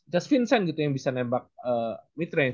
just vincent gitu yang bisa nembak mid range